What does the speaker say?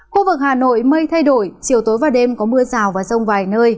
khu vực hà nội mây thay đổi chiều tối và đêm có mưa rào và rông vài nơi